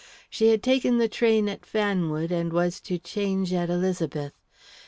She had taken the train at Fanwood and was to change at Elizabeth.